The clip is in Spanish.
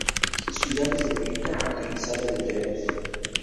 Ciudades en negrita utilizado en letreros.